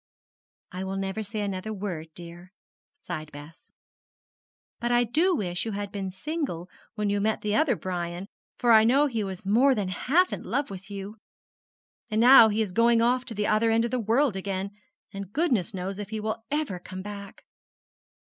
'I will never say another word, dear,' sighed Bess; 'but I do wish you had been single when you met the other Brian, for I know he was more than half in love with you. And now he is going off to the other end of the world again, and goodness knows if he will ever come back.'